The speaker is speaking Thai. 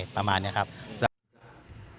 ก็เป็นไปตี่ได้ภาพนี้นี้ค่ะ